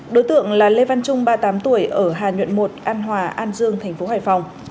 đối tượng là lê văn trung ba mươi tám tuổi ở hà nhuận một an hòa an dương thành phố hải phòng